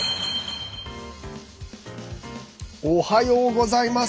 おはようございます。